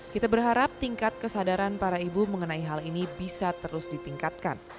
kita berharap tingkat kesadaran para ibu mengenai hal ini bisa terus ditingkatkan